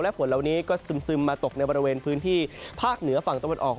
ฝนเหล่านี้ก็ซึมมาตกในบริเวณพื้นที่ภาคเหนือฝั่งตะวันออก